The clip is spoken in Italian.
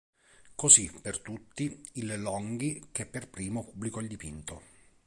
Così, per tutti, il Longhi, che per primo pubblicò il dipinto.